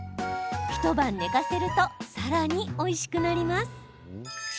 一晩寝かせるとさらに、おいしくなります。